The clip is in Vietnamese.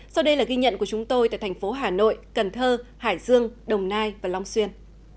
sau đây là ghi nhận của chúng tôi tại thành phố hà nội cần thơ hải dương đồng nai và long xuyên